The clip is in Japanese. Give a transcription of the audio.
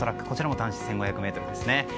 こちらも男子１５００ｍですね。